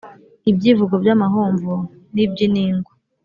’ibyivugo by’amahomvu n’iby’iningwa.